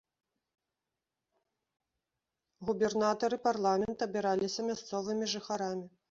Губернатар і парламент абіраліся мясцовымі жыхарамі.